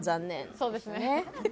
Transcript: そうですね。